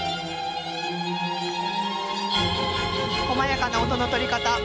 こまやかな音の取り方